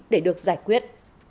để được giải quyết